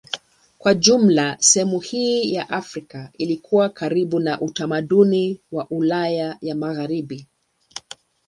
Kwa jumla sehemu hii ya Afrika ilikuwa karibu na utamaduni wa Ulaya ya Magharibi.